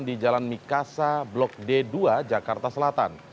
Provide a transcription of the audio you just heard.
di jalan mikasa blok d dua jakarta selatan